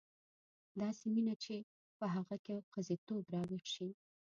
داسې مینه چې په هغه کې ښځتوب راویښ شي.